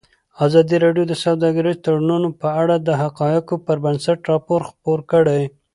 ازادي راډیو د سوداګریز تړونونه په اړه د حقایقو پر بنسټ راپور خپور کړی.